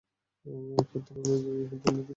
ক্ষেত্র অনুযায়ী দুর্নীতি